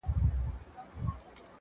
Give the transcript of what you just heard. چي په ښکار وو د مرغانو راوتلی -